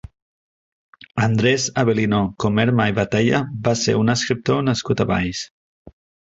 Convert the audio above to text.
Andrés Avelino Comerma i Batalla va ser un escriptor nascut a Valls.